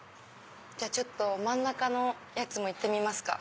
ちょっと真ん中のやつも行ってみますか。